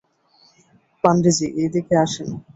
পান্ডে জী, এইদিকে আসেন।